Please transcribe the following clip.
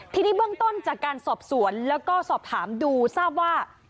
ทีนี้เบื้องต้นจากการสอบสวนแล้วก็สอบถามดูทราบว่า